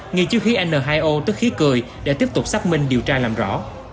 nghi chứa khí n hai o tức khí cười để tiếp tục xác minh điều tra làm rõ